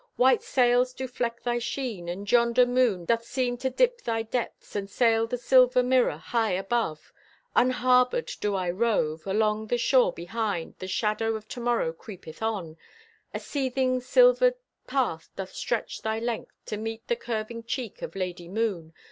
White sails do fleck thy sheen, and yonder moon Doth seem to dip thy depths And sail the silver mirror, high above. Unharbored do I rove. Along the shore behind, The shadow of Tomorrow creepeth on. A seething silvered path doth stretch thy length, To meet the curving cheek of Lady Moon.